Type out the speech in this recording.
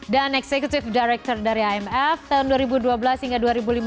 dan executive director dari imf tahun dua ribu dua belas hingga dua ribu lima belas